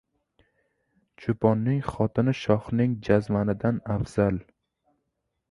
• Cho‘ponning xotini shohning jazmanidan afzal.